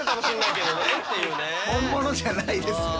本物じゃないですよ。